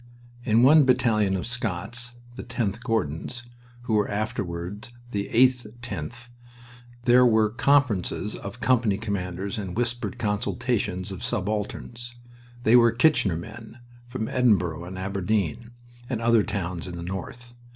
In one battalion of Scots the 10th Gordons, who were afterward the 8/10th there were conferences of company commanders and whispered consultations of subalterns. They were "Kitchener" men, from Edinburgh and Aberdeen and other towns in the North.